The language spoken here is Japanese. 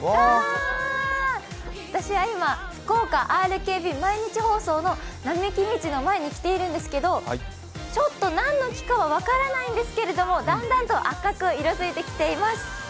私は今福岡ＲＫＢ毎日放送の並木道の前に来ているんですけど、ちょっと何の気かは分からないんですけどだんだんと赤く色づいてきています。